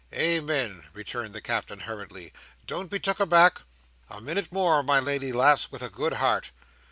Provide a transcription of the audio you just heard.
"Amen!" returned the Captain hurriedly. "Don't be took aback! A minute more, my lady lass! with a good heart!